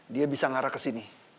dia bisa ngarah kesini